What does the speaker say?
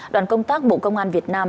đoàn công tác bộ công an việt nam